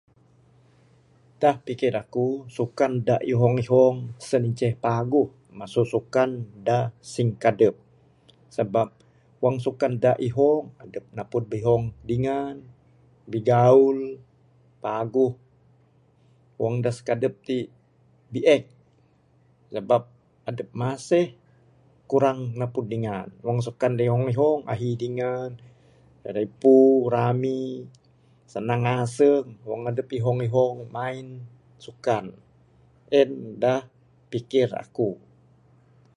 Da pikir aku sukan da ihong ihong sien inceh paguh masu sukan da singkadep. Sabab wang sukan da ihong, adep napud ihong dingan, bigaul, paguh, wang da sikadep ti, biek. Sabab adep masih kurang napud dingan. Wang sukan da ihong ihong ahi dingan. Ripu, rami, sanang aseng wang adep ihong ihong main sukan en da pikir aku.